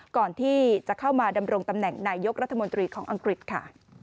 ก่อนที่จะเข้ามาดำรงตำแหน่งนายยกรัฐมนตรีของอังกฤษค่ะ